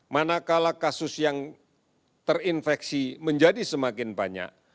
manakala kasus yang terinfeksi menjadi semakin banyak